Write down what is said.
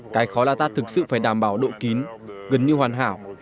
cái khó là ta thực sự phải đảm bảo độ kín gần như hoàn hảo